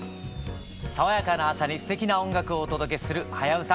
爽やかな朝にすてきな音楽をお届けする「はやウタ」。